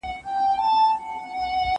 زه بايد وخت تېرووم!؟